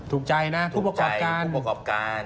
ถูกใจนะคู่ประกอบการ